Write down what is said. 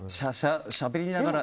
しゃべりながら。